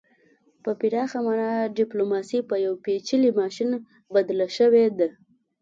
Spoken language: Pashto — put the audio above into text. په پراخه مانا ډیپلوماسي په یو پیچلي ماشین بدله شوې ده